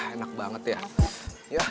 enak banget ya